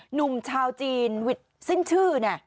หนุ่มชาวจีนสิ้นชื่อ